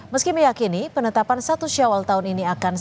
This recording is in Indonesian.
meski meyakini penetapan satu syawal tahun ini akan selesai